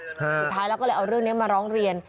สุดท้ายแล้วก็เลยเอาเรื่องนี้มาร้องเรียน